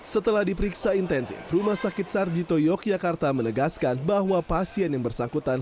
setelah diperiksa intensif rumah sakit sarjito yogyakarta menegaskan bahwa pasien yang bersangkutan